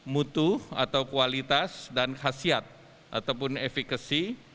mutu atau kualitas dan khasiat ataupun efekasi